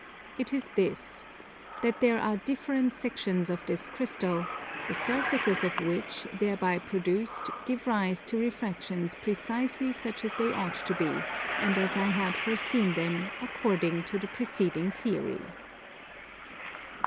It is this: that there are different sections of this Crystal, the surfaces of which, thereby produced, give rise to refractions precisely such as they ought to be, and as I had foreseen them, according to the preceding Theory.